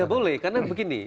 tidak boleh karena begini